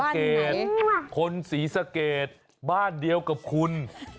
เกตคนศรีสะเกดบ้านเดียวกับคุณ